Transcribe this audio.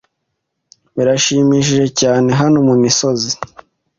Birashimishije cyane hano mumisozi.